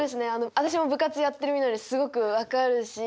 私も部活やってる身なのですごく分かるし。